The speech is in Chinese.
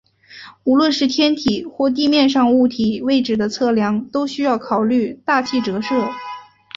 无论是天体或地面上物体位置的测量都需要考虑大气折射。